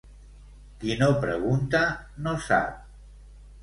Qui no pregunta no sap.